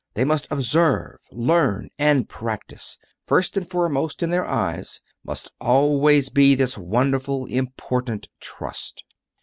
They must Observe, Learn, and Practice. First and foremost in their eyes must always be this wonderful Important Trust.